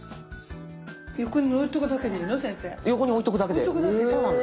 横に置いとくだけで。